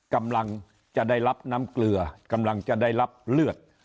กำลังจะได้รับน้ำเกลือกำลังจะได้รับเลือด